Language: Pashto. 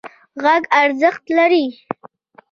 غږ ارزښت لري.